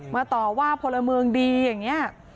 มาต่อว่าคนละเมืองดี